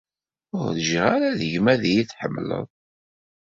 Ur rjiɣ ara deg-m ad iyi-tḥemmleḍ.